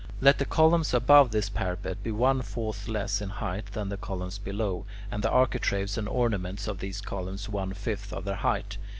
Let the columns above this parapet be one fourth less in height than the columns below, and the architraves and ornaments of these columns one fifth of their height.